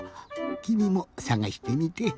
きみもさがしてみて。